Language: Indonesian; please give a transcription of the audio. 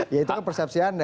ya itu kan persepsi anda